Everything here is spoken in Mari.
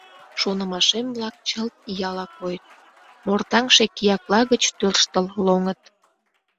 Шонымашем-влак чылт ияла койыт, мортаҥше киякла гыч тӧрштыл лоҥыт.